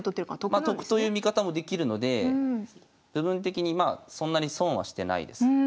まあ得という見方もできるので部分的にまあそんなに損はしてないです。